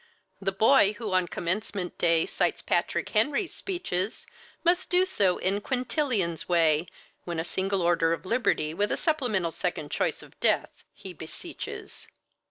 The boy who on commencement day Cites Patrick Henry's speeches Must do so in Quintilian's way When a single order of liberty, with a supplemental second choice of death, he beseeches.